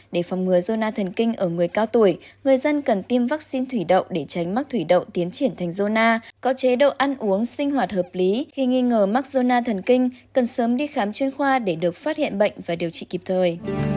để phòng ngừa gon thần kinh ở người cao tuổi người dân cần tiêm vaccine thủy đậu để tránh mắc thủy đậu tiến triển thành gona có chế độ ăn uống sinh hoạt hợp lý khi nghi ngờ mắc zona thần kinh cần sớm đi khám chuyên khoa để được phát hiện bệnh và điều trị kịp thời